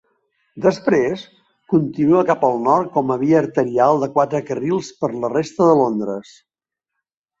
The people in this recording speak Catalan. Després, continua cap al nord com a via arterial de quatre carrils per la resta de Londres.